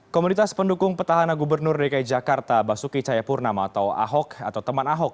komunitas pendukung petahana gubernur dki jakarta basuki cayapurnama atau ahok atau teman ahok